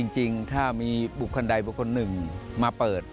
จริงถ้ามีบุคคลใดบุคคลหนึ่งมาเปิด